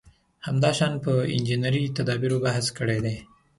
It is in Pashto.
همداشان په انجنیري تدابېرو بحث کړی دی.